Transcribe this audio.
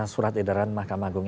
surat edaran mahkamah agung